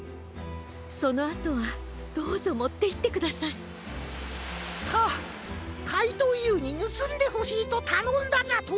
そのあとはどうぞもっていってください。かかいとうＵにぬすんでほしいとたのんだじゃと？